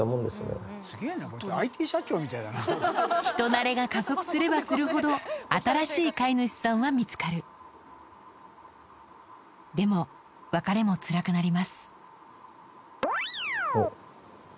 人なれが加速すればするほど新しい飼い主さんは見つかるでも別れもつらくなりますおっ。